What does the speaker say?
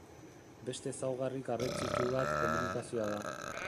Beste ezaugarri garrantzitsu bat komunikazioa da.